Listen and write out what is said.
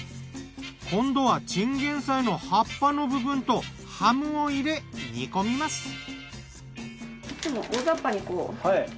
今度はチンゲン菜の葉っぱの部分とハムを入れ煮込みます。